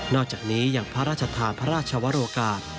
อกจากนี้ยังพระราชทานพระราชวรกาศ